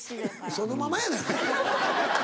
そのままやないか！